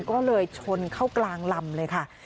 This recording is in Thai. ก็เลยชนเข้ากลางลำเลยค่ะ